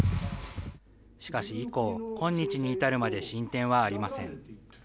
しかし以降、今日に至るまで進展はありません。